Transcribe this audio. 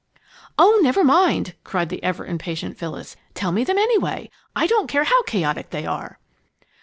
"Oh, never mind!" cried the ever impatient Phyllis. "Tell me them, anyway. I don't care how chaotic they are!"